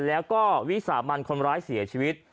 แล้วก็วิสามันคนร้ายเสียชีวิต